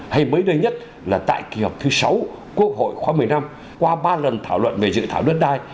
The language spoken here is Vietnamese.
hay mới đây nhất là tại kỳ họp thứ sáu quốc hội khóa một mươi năm qua ba lần thảo luận về dự thảo đất đai